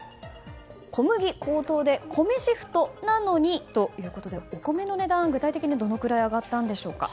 小麦高騰で米シフトなのにということでお米の値段は具体的にどのくらい上がったのでしょうか。